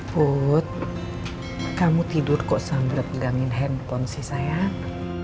put kamu tidur kok sambil pegangin handphone sih sayang